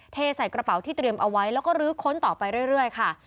เทใส่กระเป๋าที่เตรียมเอาไว้แล้วก็ลื้อค้นต่อไปเรื่อยค่ะ